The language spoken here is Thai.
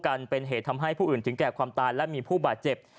กันเป็นเหตุทำให้ผู้อื่นถึงแก่ความตายและมีผู้บาดเจ็บ